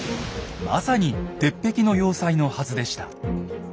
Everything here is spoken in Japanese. まさに鉄壁の要塞のはずでした。